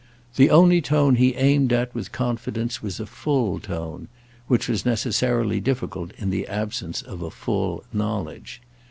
The only tone he aimed at with confidence was a full tone—which was necessarily difficult in the absence of a full knowledge.